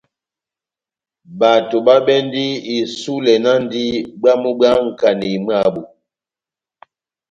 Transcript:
Bato babɛndi isulɛ náhndi bwamu bwá nkanéi mwabu.